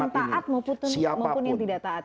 yang taat maupun yang tidak taat